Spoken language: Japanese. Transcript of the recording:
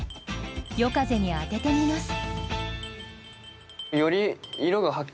夜風に当ててみます